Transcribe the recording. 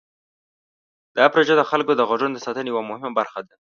دا پروژه د خلکو د غږونو د ساتنې یوه مهمه برخه ده.